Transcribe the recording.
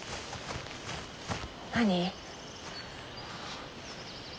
何？